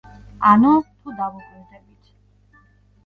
ანუ, თუ დავუკვირდებით.